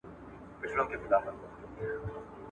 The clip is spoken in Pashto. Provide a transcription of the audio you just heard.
ایا دا ستا لومړی ځل دی چې په الوتکه کې ناسته یې؟